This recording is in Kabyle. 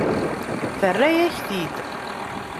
Terra-yak-t-id.